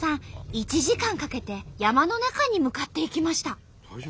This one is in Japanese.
１時間かけて山の中に向かっていきました。